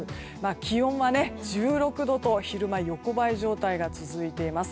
気温は１６度と昼間横ばい状態が続いています。